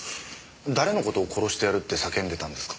誰のことを殺してやるって叫んでたんですか？